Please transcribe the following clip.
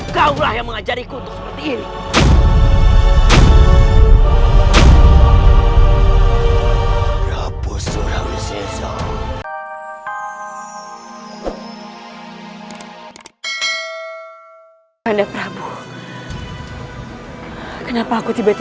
kau lah yang mengajariku untuk seperti ini